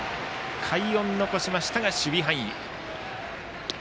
快音を残しましたが守備範囲。